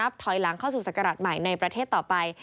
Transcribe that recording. ถอยหลังเข้าสู่ศักราชใหม่ในประเทศต่อไป